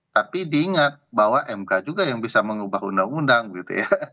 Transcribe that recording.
tapi diingat bahwa mk juga yang bisa mengubah undang undang gitu ya